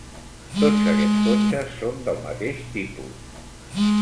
Tots aquests cotxes són del mateix tipus.